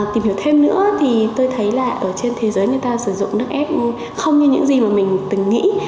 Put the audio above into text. tìm hiểu thêm nữa thì tôi thấy là ở trên thế giới người ta sử dụng nước ép không như những gì mà mình từng nghĩ